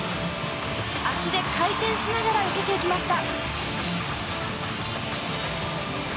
足で回転しながら受けていきました。